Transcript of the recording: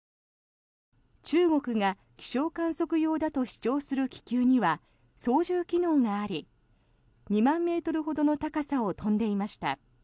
中国が気象観測用だと主張する気球には操縦機能があり２万ｍほどの高さを飛んでいました。